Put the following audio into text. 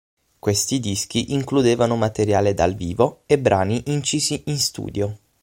Questi dischi includevano materiale dal vivo e brani incisi in studio.